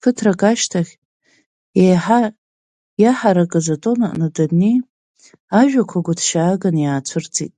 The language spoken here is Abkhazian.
Ԥыҭрак ашьҭахь, еиҳа иаҳаракыз атон аҿы данааи, ажәақәагьы гәыҭшьаагахан иаацәырҵит.